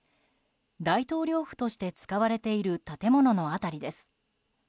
大統領府として使われている建物の辺りです。